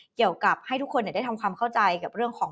เกี่ยวกับให้ทุกคนได้ทำความเข้าใจกับเรื่องของ